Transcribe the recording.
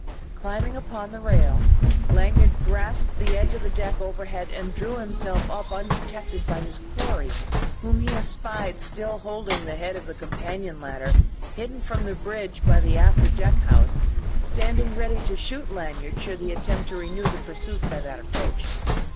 Climbing upon the rail, Lanyard grasped the edge of the deck overhead and drew himself up undetected by his quarry, whom he espied still holding the head of the companion ladder, hidden from the bridge by the after deck house, standing ready to shoot Lanyard should he attempt to renew the pursuit by that approach.